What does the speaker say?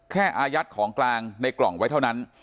อายัดของกลางในกล่องไว้เท่านั้น